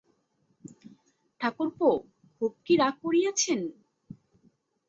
ঠাকুরপো খুব কি রাগ করিয়াছেন।